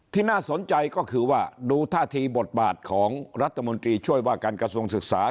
น่าสนใจก็คือว่าดูท่าทีบทบาทของรัฐมนตรีช่วยว่าการกระทรวงศึกษา